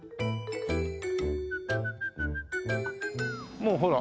もうほら。